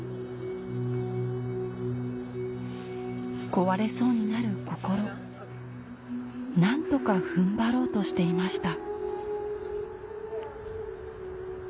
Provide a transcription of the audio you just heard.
壊れそうになる心何とか踏ん張ろうとしていました